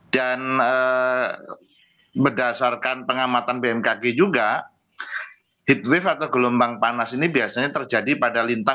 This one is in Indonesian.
berdasarkan pengamatan bmkg juga heat wave atau gelombang panas ini biasanya terjadi pada lintang